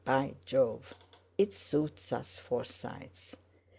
By Jove, it suits us Forsytes!"